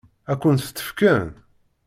Ad kent-tt-fken?